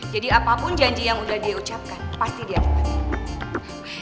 jadi apapun janji yang udah dia ucapkan pasti dia akan